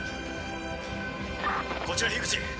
こちら口